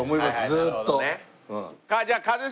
ずーっと。